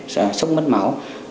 sẽ sốc mất máu